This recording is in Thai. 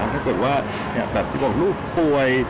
ถ้าเกิดว่าแบบที่บอกลูกป่วย